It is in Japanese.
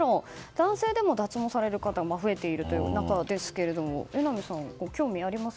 男性でも脱毛される方増えているという中ですが榎並さん、興味あります？